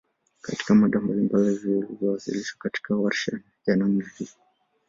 Katika mada mbalibali zilizowasilishwa katika warsha ya namna hii